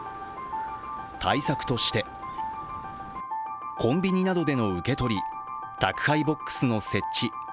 対策として、コンビニなどでの受け取り、宅配ボックスの設置